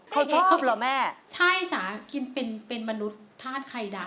เขาชอบหรือแม่ใช่จ้ะเป็นมนุษย์ทาดไข่ดาว